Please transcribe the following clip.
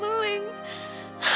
aku udah bangun